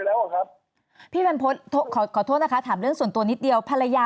แล้วก็แล้วก็พี่เนี่ยไม่แน่ใจนะคะเอ้ยเดี๋ยวนะของพี่เนี่ยโดนปฏิเสธ